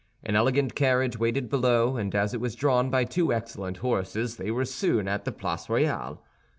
An elegant carriage waited below, and as it was drawn by two excellent horses, they were soon at the Place Royale.